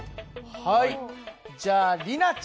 はい！